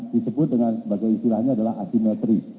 disebut sebagai asimetri